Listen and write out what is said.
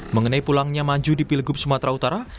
mengenai pulangnya maju di pilgub sumatera utara